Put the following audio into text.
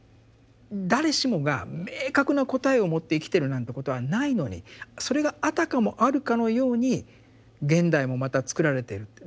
誰しもが明確な答えを持って生きてるなんてことはないのにそれがあたかもあるかのように現代もまた作られている。